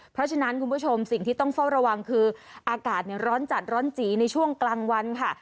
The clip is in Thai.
เพราะฉะนั้นคุณผู้ชมสิ่งที่ต้องเฝ้าระวังคืออากาศร้อนจัดร้อนจีในช่วงกลางวันค่ะ